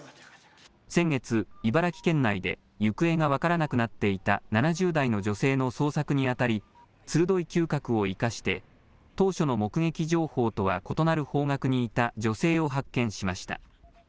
先月、茨城県内で行方が分からなくなっていた７０代の女性の捜索に当たり、鋭い嗅覚を生かして、当初の目撃情報とは異なる方角にいた女性を発見しました。